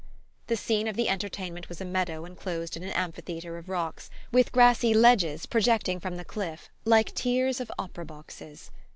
The scene of the entertainment was a meadow enclosed in an amphitheatre of rocks, with grassy ledges projecting from the cliff like tiers of opera boxes.